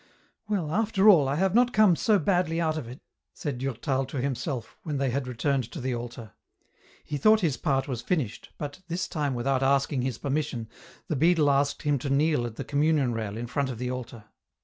" Well, after all, I have not come so badly out of it," said Durtal to himself, when they had returned to the altar. He thought his part was finished, but, this time without asking his permission, the beadle asked him to kneel at the com munion rail in front of the altar.